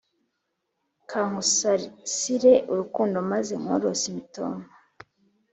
ka nkusasire urukundo maze nkorose imitoma